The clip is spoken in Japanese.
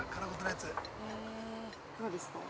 どうですか。